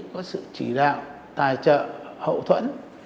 có sự chỉ đạo tài trợ hậu thuẫn